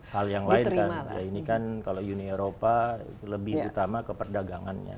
hal yang lain kan ini kan kalau uni eropa lebih utama ke perdagangannya